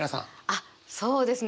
あっそうですね。